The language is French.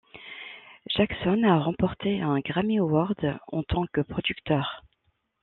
Jackson a remporté un Grammy Award en tant que producteur.